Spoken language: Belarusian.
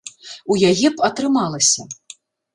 У яе б атрымалася.